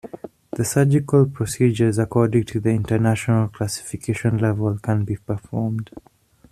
The surgical procedures according to the International Classification level can be performed.